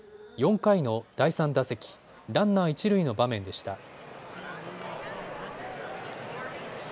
４回の第３打席、ランナー一塁の場面でした。